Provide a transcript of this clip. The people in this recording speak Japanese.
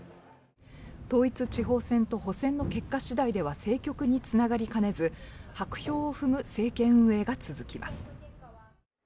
統一地方選と補選の結果次第では政局につながりかねず薄氷を踏む政権運営が続きます。